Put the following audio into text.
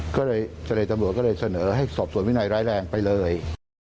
ก็เลยเศรษฐรรย์ตำรวจเสนอให้สอบส่วนวินัยร้ายแรงไปเลย